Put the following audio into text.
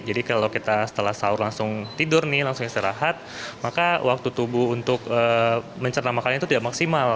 jadi kalau kita setelah sahur langsung tidur nih langsung istirahat maka waktu tubuh untuk mencerna makanan itu tidak maksimal